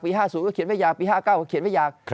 ปี๕๐ก็เขียนไว้อย่างปี๕๙ก็เขียนไว้อย่าง